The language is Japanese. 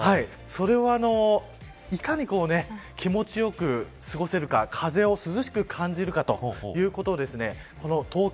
それをいかに気持ちよく過ごせるか風を涼しく感じるか。ということをですね